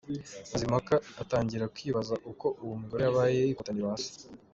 Mazimpaka atangira kwibaza uko uwo mugore wabaye ikotaniro asa.